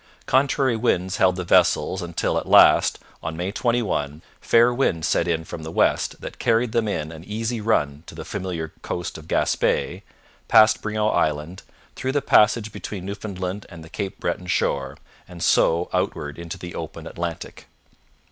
Contrary winds held the vessels until, at last, on May 21, fair winds set in from the west that carried them in an easy run to the familiar coast of Gaspe, past Brion Island, through the passage between Newfoundland and the Cape Breton shore, and so outward into the open Atlantic.